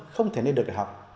không thể lên được để học